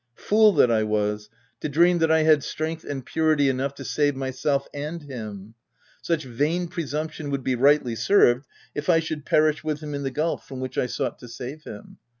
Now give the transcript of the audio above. Fool that I was to dream that I had strength and purity enough to save myself and him ! Such vain presump tion would be rightly served, if I should perish with him in the gulf from which I sought to save him